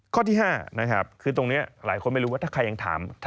ข้อที่๕นะครับคือตรงนี้หลายคนไม่รู้ว่าถ้าใครยังถาม